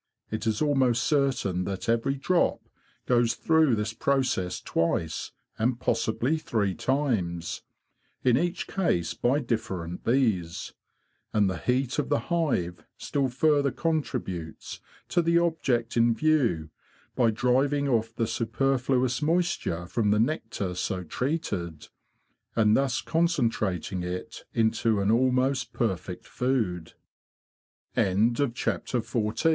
It is almost certain that every drop goes through this process twice, and possibly three times, in each case by different bees; and the heat of the hive still further contributes to the object in view by driving off the superfluous moisture from the nectar so treated, and thus concentrating it into an almost